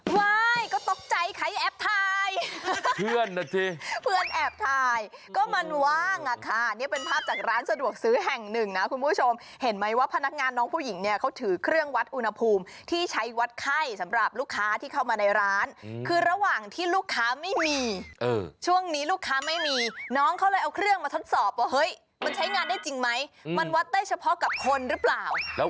ไม่ก็ตกใจใครแอบทายเพื่อนแอบทายก็มันว่างอ่ะค่ะเนี่ยเป็นภาพจากร้านสะดวกซื้อแห่งหนึ่งนะคุณผู้ชมเห็นไหมว่าพนักงานน้องผู้หญิงเนี่ยเขาถือเครื่องวัดอุณหภูมิที่ใช้วัดไข้สำหรับลูกค้าที่เข้ามาในร้านคือระหว่างที่ลูกค้าไม่มีช่วงนี้ลูกค้าไม่มีน้องเขาเลยเอาเครื่องมาทดสอบว่าเฮ้ยมั